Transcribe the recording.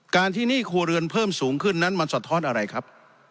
การที่หนี้ครัวเรือนเพิ่มสูงขึ้นนั้นมันสะท้อนอะไรครับ